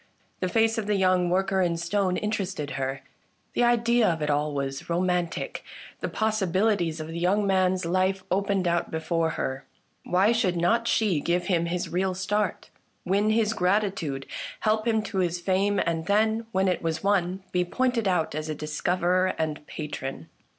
The face of the young worker in stone interested her; the idea of it all was romantic ; the possibilities of the young man's life opened out before her. Why should not she give him his real start, win his gratitude, help him to his fame, and then, when it was won, be pointed out as a discoverer and a patron